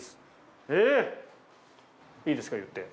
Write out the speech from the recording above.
いいですか言って。